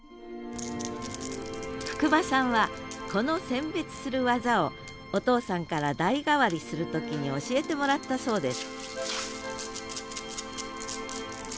福間さんはこの選別する技をお父さんから代替わりする時に教えてもらったそうです